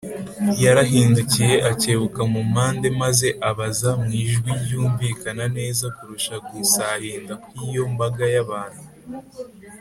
yarahindukiye, akebuka mu mpande maze abaza mu ijwi ryumvikanaga neza kurusha gusahinda kw’iyo mbaga y’abantu